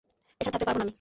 এখানে থাকতে পারবো না আমি!